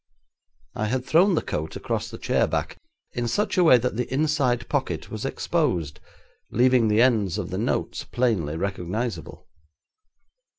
I had thrown the coat across the chair back in such a way that the inside pocket was exposed, leaving the ends of the notes plainly recognisable.